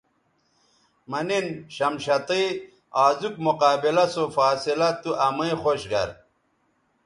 مہ نِن شمشتئ آزوک مقابلہ سو فاصلہ تو امئ خوش گر